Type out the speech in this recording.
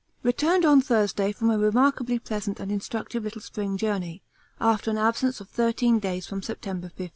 Returned on Thursday from a remarkably pleasant and instructive little spring journey, after an absence of thirteen days from September 15.